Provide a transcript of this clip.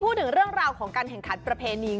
พูดถึงเรื่องราวของการแข่งขันประเพณี